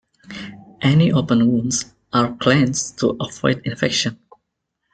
Any open wounds are cleansed to avoid infection.